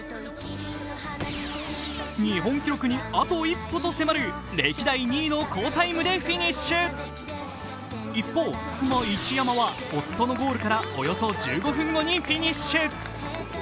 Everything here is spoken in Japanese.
日本記録にあと一歩と迫る歴代２位の好タイムでフィニッシュ一方、妻・一山は夫のゴールからおよそ１５分後にフィニッシュ。